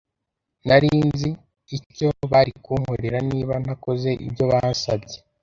Nari nzi icyo bari kunkorera niba ntakoze ibyo basabye.